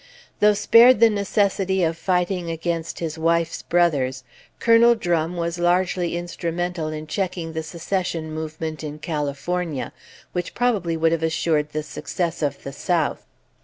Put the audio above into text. Though spared the necessity of fighting against his wife's brothers, Colonel Drum was largely instrumental in checking the Secession movement in California which would probably have assured the success of the South.